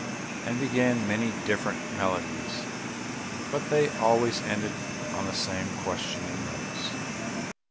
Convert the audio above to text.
He began many different melodies, but they always ended on the same questioning notes.